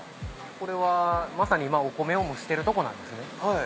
これはまさに今お米を蒸してるとこなんですね。